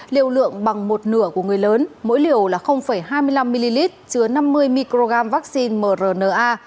liều lượng bằng một nửa của người lớn mỗi liều là hai mươi năm ml chứa năm mươi microgram vaccine mrna